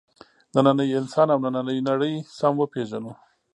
نننی انسان او نننۍ نړۍ سم وپېژنو.